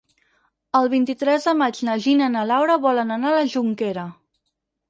El vint-i-tres de maig na Gina i na Laura volen anar a la Jonquera.